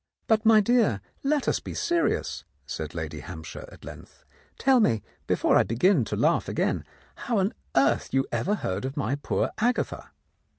"But, my dear, let us be serious," said Lady Hampshire at length. "Tell me, before I begin to laugh again, how on earth you ever heard of my poor Agatha